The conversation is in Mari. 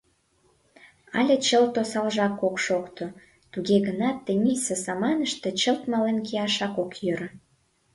— Але чылт осалжак ок шокто, туге гынат тенийысе саманыште чылт мален кияшак ок йӧрӧ.